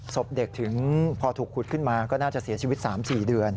ศพเด็กถึงพอถูกขุดขึ้นมาก็น่าจะเสียชีวิต๓๔เดือน